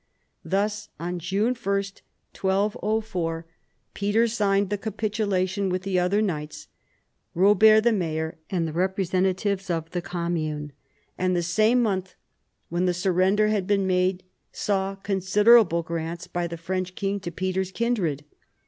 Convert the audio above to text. Thus on June 1, 1204, Peter 80 PHILIP AUGUSTUS chap. signed the capitulation with the other knights, Robert the mayor and the representatives of the commune ; and the same month when the surrender had been made saw considerable grants by the French king to Peter's kindred.